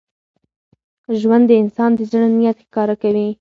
ژوند د انسان د زړه نیت ښکاره کوي.